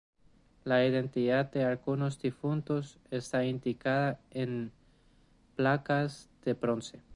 La identidad de algunos difuntos está indicada en placas de bronce.